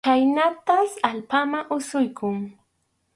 Khaynatas allpaman asuykun.